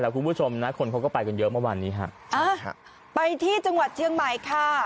คุณผู้ชมนะคนเขาก็ไปกันเยอะเมื่อวานนี้ฮะอ่าฮะไปที่จังหวัดเชียงใหม่ค่ะ